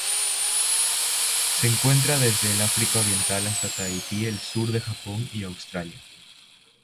Se encuentra desde el África Oriental hasta Tahití, el sur del Japón y Australia.